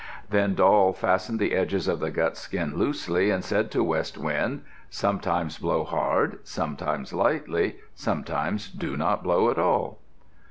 Then Doll fastened the edges of the gut skin loosely, and said to West Wind, "Sometimes blow hard, sometimes lightly. Sometimes do not blow at all."